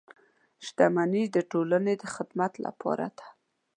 • شتمني د ټولنې د خدمت لپاره ده.